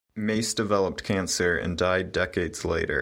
Mace developed cancer and died decades later.